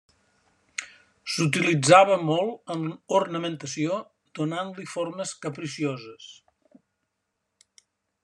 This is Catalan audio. S'utilitzava molt en ornamentació, donant-li formes capricioses.